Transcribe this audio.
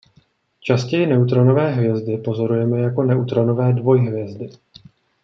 Častěji neutronové hvězdy pozorujeme jako neutronové dvojhvězdy.